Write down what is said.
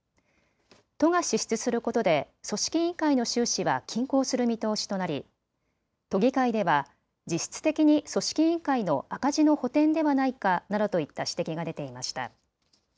都が支出することで組織委員会の収支は均衡する見通しとなり都議会では実質的に組織委員会の赤字の補填ではないかなどといった指摘が出ていました。